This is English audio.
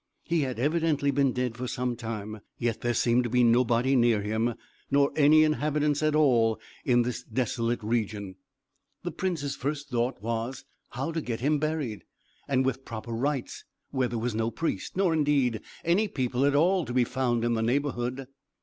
He had evidently been dead for some time. Yet there seemed to be nobody near him, nor any inhabitants at all in this desolate region. The prince's first thought was how to get him buried, and with proper rites, when there was no priest nor indeed any people at all to be found in the neighbourhood.